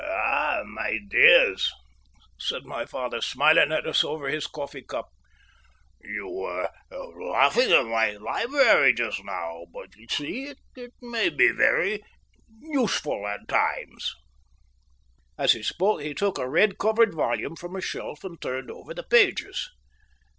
"Ah, my dears," said my father, smiling at us over his coffee cup, "you were laughing at my library just now, but you see it may be very useful at times." As he spoke he took a red covered volume from a shelf and turned over the pages.